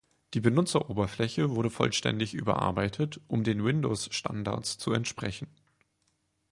Die Benutzeroberfläche wurde vollständig überarbeitet, um den Windows-Standards zu entsprechen.